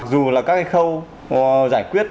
dù là các cái khâu giải quyết